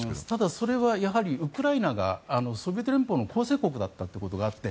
それはやはりウクライナがソビエト連邦の構成国だったということがあって